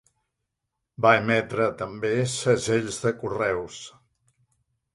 Va emetre també segells de correus.